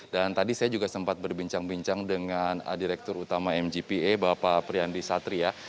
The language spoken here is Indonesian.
dan tadi saya juga sempat berbincang bincang dengan direktur utama mgpa bapak priyandi satria